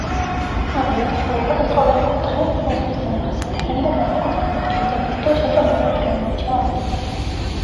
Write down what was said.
არამედ ჩვენი ქვეყნის ყოველი კუთხე მისთვის დამახასიათებელი და განსაკუთრებული კერძებითა თუ შეჭამანდებით გამოირჩევა.